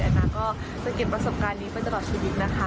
แต่น้าก็สะเก็บประสบการณ์นี้ไปตลอดชีวิตนะคะ